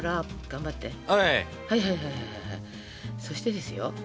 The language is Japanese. そしてですよ